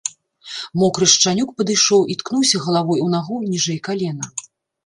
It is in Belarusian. Мокры шчанюк падышоў і ткнуўся галавою ў нагу, ніжэй калена.